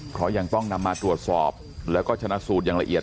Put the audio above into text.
เพราะยังต้องนำมาตรวจสอบแล้วก็ชนะสูตรอย่างละเอียด